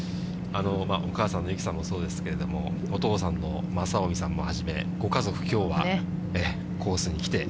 お母さんのゆきさんもそうですけれども、お父さんのまさおみさんをはじめ、ご家族、きょうはコースに来て。